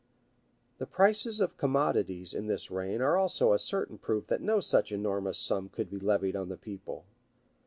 The prices of commodities in this reign are also a certain proof that no such enormous sum could be levied on the people.